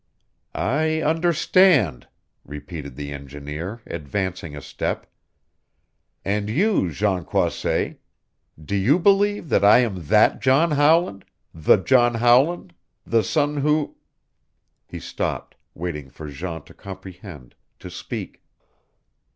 "I understand," repeated the engineer, advancing a step. "And you, Jean Croisset do you believe that I am that John Howland the John Howland the son who " He stopped, waiting for Jean to comprehend, to speak.